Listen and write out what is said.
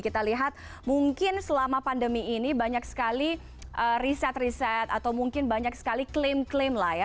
kita lihat mungkin selama pandemi ini banyak sekali riset riset atau mungkin banyak sekali klaim klaim lah ya